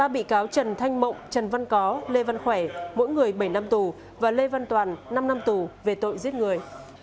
ba bị cáo trần thanh mộng trần văn có lê văn khỏe mỗi người bảy năm tù và lê văn toàn năm năm tù về tội giết người